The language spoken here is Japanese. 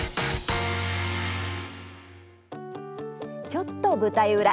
「ちょっと舞台裏」。